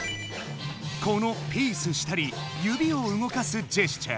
このピースしたりゆびを動かすジェスチャー。